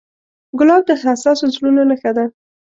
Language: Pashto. ګلاب د حساسو زړونو نښه ده.